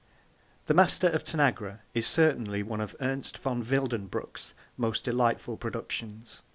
The Master Of Tanagra is certainly one of Ernst von Wildenbruch's most delightful productions.